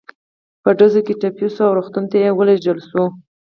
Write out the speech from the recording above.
په ډزو کې ټپي شو او روغتون ته ولېږدول شو.